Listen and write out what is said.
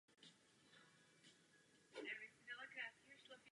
Narodil se v Halifaxu v Novém Skotsku.